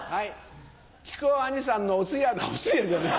木久扇兄さんのお通夜あっお通夜じゃない。